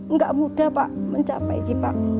nggak mudah pak mencapai